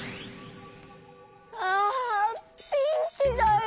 ああピンチだよ